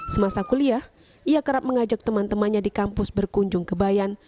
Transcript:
semasa kuliah ia kerap mengajak teman temannya di kampus berkunjung ke bayan